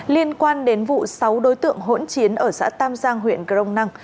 liên quan đến vụ sáu đối tượng hỗn chiến ở xã tam giang huyện crong năng